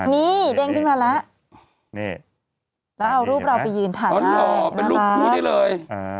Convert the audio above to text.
นี่เด้งขึ้นมาแล้วแล้วเอารูปเราไปยืนถ่ายได้น่ารักเป็นลูกคู่นี่เลย